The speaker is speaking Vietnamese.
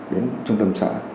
đến trung tâm xã